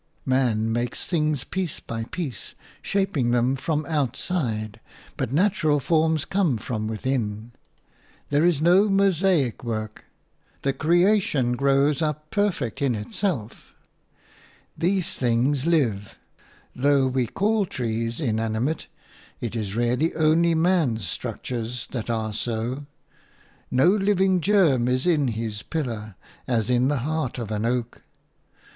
Man makes things piece by piece, shaping them from outside, but natural forms come from within; there is no mosaic work; the creation grows up perfect in itself. These things live; though we call trees inanimate, it is really only man's structures that are so; no living germ is in his pillar, as in the heart of an oak.